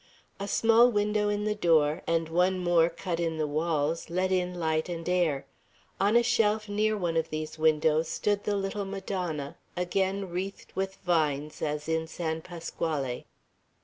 A small window in the door, and one more cut in the walls, let in light and air. On a shelf near one of these windows stood the little Madonna, again wreathed with vines as in San Pasquale.